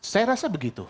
saya rasa begitu